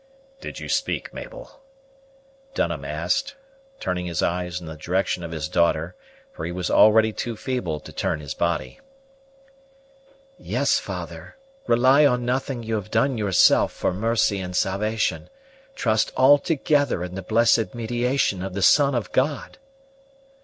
"Did you speak, Mabel?" Dunham asked, turning his eyes in the direction of his daughter, for he was already too feeble to turn his body. "Yes, father; rely on nothing you have done yourself for mercy and salvation; trust altogether in the blessed mediation of the Son of God!"